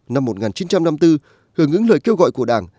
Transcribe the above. năm một nghìn chín trăm năm mươi bốn hưởng ứng lời kêu gọi của đảng